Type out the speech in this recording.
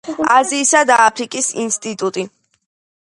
აზიისა და აფრიკის ინსტიტუტი.